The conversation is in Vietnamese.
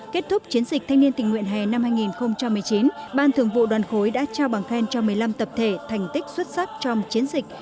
kết thúc chiến dịch thanh niên tình nguyện hè năm hai nghìn một mươi chín ban thường vụ đoàn khối đã trao bằng khen cho một mươi năm tập thể thành tích xuất sắc trong chiến dịch